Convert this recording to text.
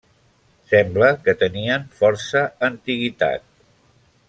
Sembla que tenien força antiguitat.